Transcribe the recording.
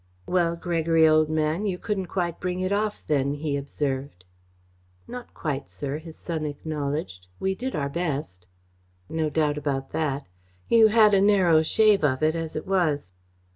"Well, Gregory, old man, you couldn't quite bring it off then?" he observed. "Not quite, sir," his son acknowledged. "We did our best." "No doubt about that. You had a narrow shave of it, as it was."